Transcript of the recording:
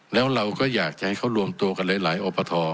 แล้วเราก็อยากจะให้เขารวมตัวกันหลายอปท